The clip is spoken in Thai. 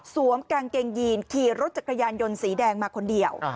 กางเกงยีนขี่รถจักรยานยนต์สีแดงมาคนเดียว